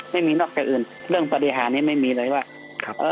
ไม่มีนอกจากอื่นเรื่องปฏิหารนี้ไม่มีเลยว่า